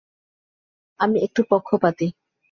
আমি একটু পক্ষপাতী।